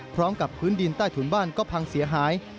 พร้อมกับพื้นดินใต้ถุนบ้านก็พังเสียหาย